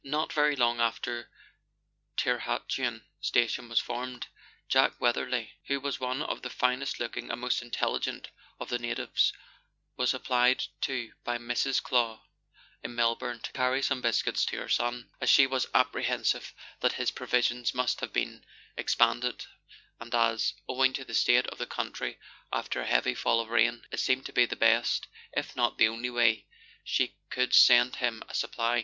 Not very long after the Tirhatuan Station was formed, Jack Weatherly, who was one of the finest looking and most intelligent of the natives, was applied to by Mrs. Clow, in Melbourne, to carry some biscuits to her son, as she was apprehensive that his provisions must have been expended, and as, owing to the state of the country after a heavy fall of rain, it seemed to be the best, if not the only way, she could send him a supply.